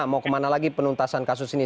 mau kemana lagi penuntasan kasus ini